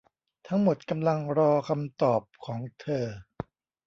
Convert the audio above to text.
ทั้งหมดกำลังรอคำตอบของเธอ